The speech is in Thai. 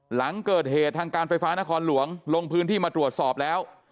หลังเกิดเหตุทางการไฟฟ้านครหลวงลงพื้นที่มาตรวจสอบแล้ว